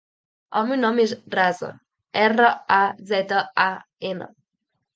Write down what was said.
El meu nom és Razan: erra, a, zeta, a, ena.